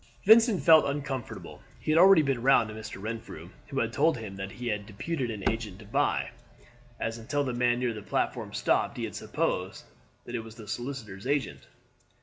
Vincent felt uncomfortable. He had already been round to Mr. Renfrew, who had told him that he had deputed an agent to buy; and until the man near the platform stopped he had supposed that he was the solicitor's agent.